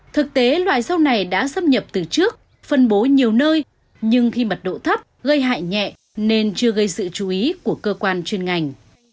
thực tế loài sâu này đã xâm nhập từ trước phân bố nhiều nơi nhưng khi mật độ thấp gây hại nhẹ nên chưa gây sự chú ý của cơ quan chuyên ngành